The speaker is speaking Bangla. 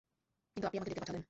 কিন্তু আপনি আমাকে ডেকে পাঠালেন।